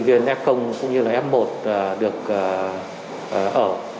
để cho các em sinh viên f cũng như f một được ở